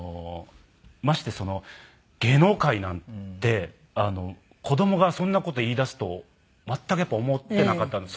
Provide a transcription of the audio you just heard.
まして芸能界なんて子どもがそんな事言いだすと全く思ってなかったので。